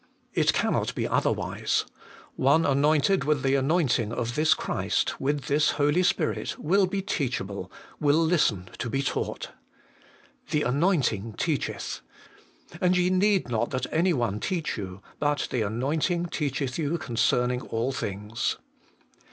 It cannot be otherwise : one anointed with the anointing of this Christ, with this Holy Spirit, will be teachable, will listen to be taught. ' The anointing teacheth.' ' And ye need not that any one teach you : but the anointing teacheth you concerning all things.'